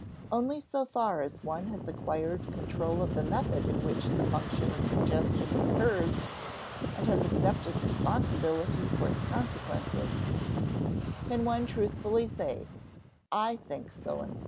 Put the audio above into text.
Only so far as one has acquired control of the method in which the function of suggestion occurs and has accepted responsibility for its consequences, can one truthfully say, "I think so and so."